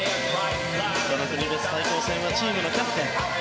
この国別対抗戦はチームのキャプテン。